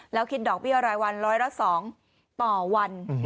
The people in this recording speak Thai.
แล้วคิดดอกเบี้ยวรายวัน๑๐๒บาทต่อวัน